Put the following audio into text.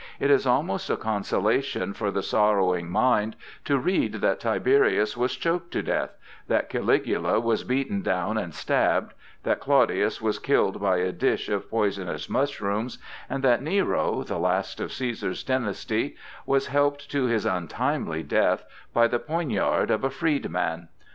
It is almost a consolation for the sorrowing mind to read that Tiberius was choked to death; that Caligula was beaten down and stabbed; that Claudius was killed by a dish of poisonous mushrooms; and that Nero, the last of Cæsar's dynasty, was helped to his untimely death by the poniard of a freedman.